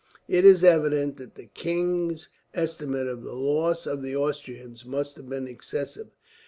It is evident that the king's estimate of the loss of the Austrians must have been excessive.